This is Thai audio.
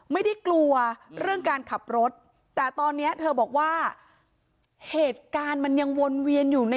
เธอตลอดแล้วเนี่ยบาดแผลปลิงเนี่ยค่ะเดี๋ยวลองฟังเสียงเธอดูหน่อย